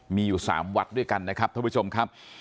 มีอยู่๓วัดด้วยกันนะครับท่านผู้ชมครับ